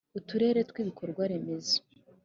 uturere tw ibikorwa remezo